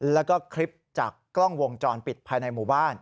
แล้วก็คลิปจากกล้องวงจรปิดภายในหมู่บ้าน